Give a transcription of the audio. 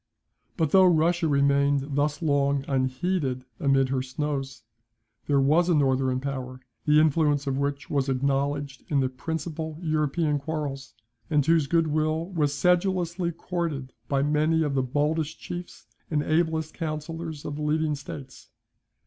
But though Russia remained thus long unheeded amid her snows, there was a northern power, the influence of which was acknowledged in the principal European quarrels, and whose good will was sedulously courted by many of the boldest chiefs and ablest councillors of the leading states.